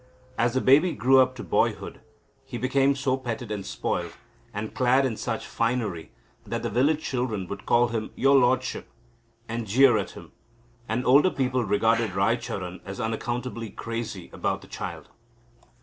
As the baby grew up to boyhood, he was so petted and spoilt and clad in such finery that the village children would call him "Your Lordship," and jeer at him; and older people regarded Raicharan as unaccountably crazy about the child.